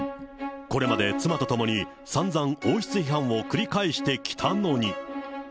これまで妻と共に、さんざん、王室批判を繰り返してきたのに。